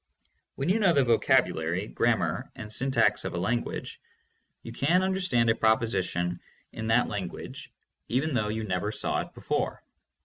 When you know the vocabulary, grammar, and syntax of a language, you can understand a proposition in that language even though you never saw it before.